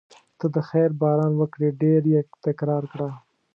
ته د خیر باران وکړې ډېر یې تکرار کړه.